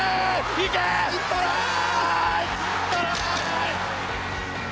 行け！トライ！